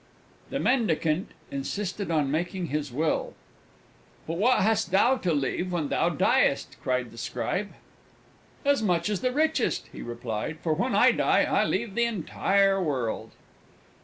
The Mendicant insisted on making his Will: "But what hast thou to leave when thou diest?" cried the Scribe. "As much as the richest," he replied; "for when I die, I leave the entire World!"